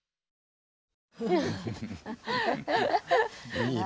いいね。